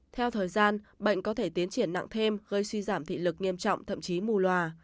theo thời gian bệnh có thể tiến triển nặng thêm gây suy giảm thị lực nghiêm trọng thậm chí mù loà